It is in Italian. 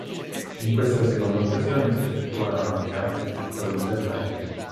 In questa seconda occasione si effettuarono anche altri piccoli interventi.